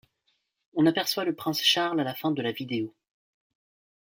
On aperçoit le Prince Charles à la fin de la vidéo.